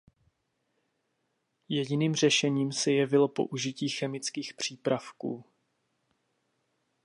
Jediným řešením se jevilo použití chemických přípravků.